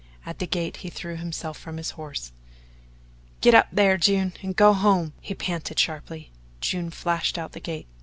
At the gate he threw himself from his horse: "Git up thar, June, and go home," he panted sharply. June flashed out the gate.